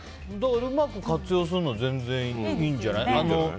うまく活用するのは全然いいんじゃない。